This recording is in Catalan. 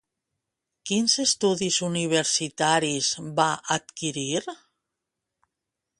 Quins estudis universitaris va adquirir?